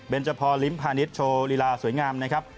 เบนเจอร์พอร์ลิมพานิสโชว์รีลาสวยงามนะครับ